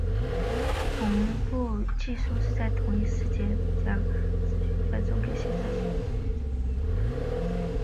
同步技术是在同一时间将资讯传送给线上所有参与者的一种传递模式。